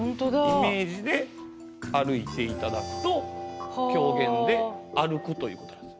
イメージで歩いていただくと狂言で歩くということなんです。